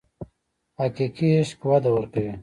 حقیقي عشق وده ورکوي.